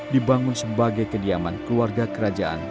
dibangun sebagai kediaman keluarga kerajaan